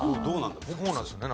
どうなんですかね？